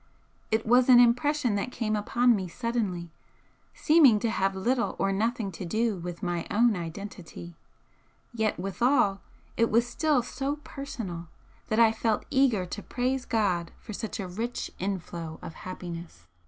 It was an impression that came upon me suddenly, seeming to have little or nothing to do with my own identity, yet withal it was still so personal that I felt eager to praise for such a rich inflow of happiness.